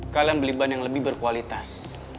kalian beli ban yang lebih berkualitas